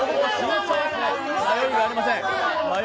迷いはありません。